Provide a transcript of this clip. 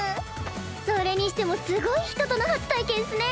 それにしてもすごい人との初体験っスね。